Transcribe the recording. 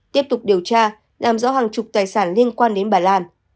tiếp tục điều tra làm rõ hàng chục tài sản liên quan đến bà lan